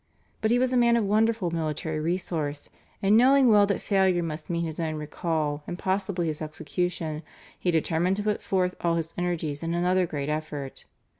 But he was a man of wonderful military resource, and knowing well that failure must mean his own recall and possibly his execution, he determined to put forth all his energies in another great effort.